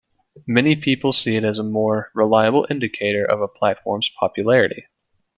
Many people see it as a more reliable indicator of a platform's popularity.